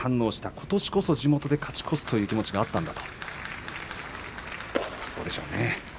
ことしこそ地元で勝ち越すという気持ちがあったんだということです。